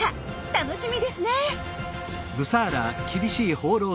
楽しみですね！